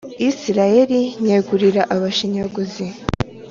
israheli nyegurira abashinyaguzi.